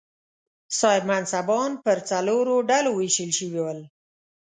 صاحب منصبان پر څلورو ډلو وېشل شوي ول.